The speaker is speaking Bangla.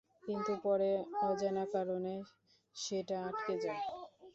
কিন্তু পরে অজানা কারণে সেটা আটকে যায়।